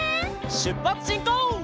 しゅっぱつしんこう！